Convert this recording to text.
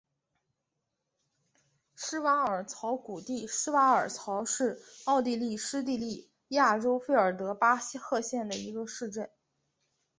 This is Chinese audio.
施瓦尔曹谷地施瓦尔曹是奥地利施蒂利亚州费尔德巴赫县的一个市镇。